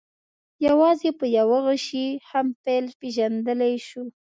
یوازې په یوه غشي هم فیل پېژندلی شو.